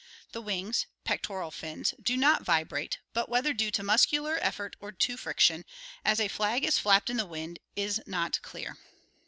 The wings (pectoral fins) do vibrate, but whether due to muscular effort or to friction, as a flag is flapped in the wind, is not clear.